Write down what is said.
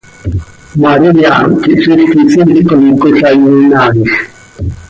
María quih zixquisiil com cola iyonaaij.